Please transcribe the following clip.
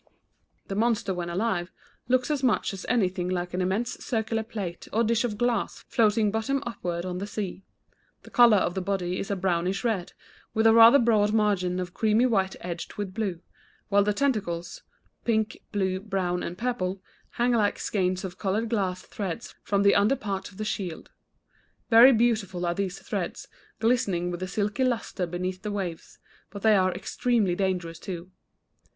The monster when alive looks as much as anything like an immense circular plate or dish of glass floating bottom upward on the sea. The color of the body is a brownish red, with a rather broad margin of creamy white edged with blue, while the tentacles pink, blue, brown, and purple hang like skeins of colored glass threads from the under parts of the shield. Very beautiful are these threads, glistening with a silky lustre beneath the waves, but they are extremely dangerous, too.